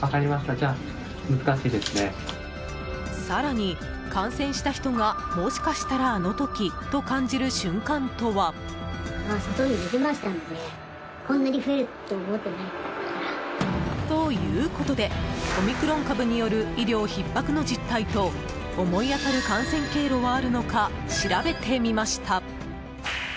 更に、感染した人がもしかしたらあの時と感じる瞬間とは。ということでオミクロン株による医療ひっ迫の実態と思い当たる感染経路はあるのか調べてみました。